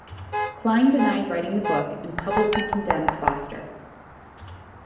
Klein denied writing the book and publicly condemned Foster.